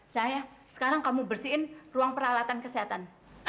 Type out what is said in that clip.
saya sekarang kamu bersihin ruang peralatan kesehatan